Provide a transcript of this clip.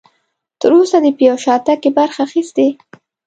تر اوسه دې په یو شاتګ کې برخه اخیستې؟